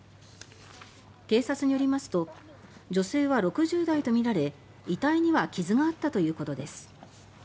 警察によりますと女性は６０代とみられ遺体には傷があったということです。